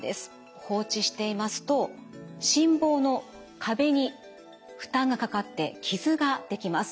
放置していますと心房の壁に負担がかかって傷ができます。